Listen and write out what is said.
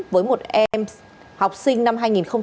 với một em học sinh năm hai nghìn bảy